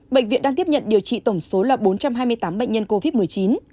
bệnh viện đang tiếp nhận điều trị tổng số là bốn trăm hai mươi tám bệnh nhân covid một mươi chín